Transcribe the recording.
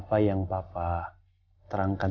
pak makasih ya pak